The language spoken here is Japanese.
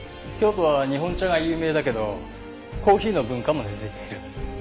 京都は日本茶が有名だけどコーヒーの文化も根付いている。